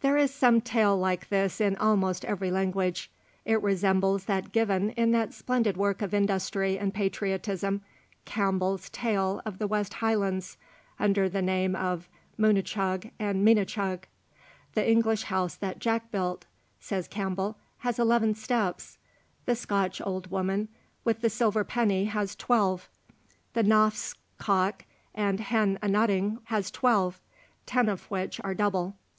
There is some tale like this in almost every language. It resembles that given in that splendid work of industry and patriotism, Campbell's Tales of the West Highlands under the name of Moonachug and Meenachug. "The English House that Jack built," says Campbell, "has eleven steps, the Scotch Old Woman with the Silver Penny has twelve, the Novsk Cock and Hen A nutting has twelve, ten of which are double.